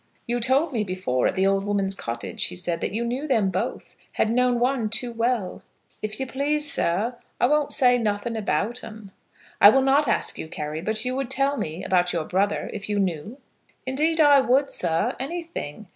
"You told me before at the old woman's cottage," he said, "that you knew them both, had known one too well." "If you please, sir, I won't say nothing about 'em." "I will not ask you, Carry. But you would tell me about your brother, if you knew?" "Indeed I would, sir; anything.